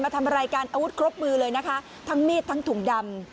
ทำอะไรกันอาวุธครบมือเลยนะคะทั้งมีดทั้งถุงดำ